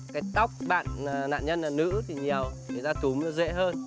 cái tóc bạn nạn nhân là nữ thì nhiều người ta túm nó dễ hơn